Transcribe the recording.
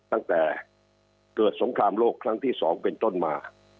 ตั้งแต่เกิดสงครามโลกครั้งที่๒เป็นต้นมา